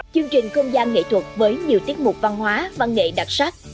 chương trình không gian nghệ thuật với nhiều tiết mục văn hóa văn nghệ đặc sắc